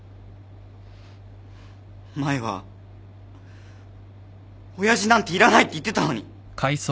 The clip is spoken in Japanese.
前は親父なんていらないって言ってたのに。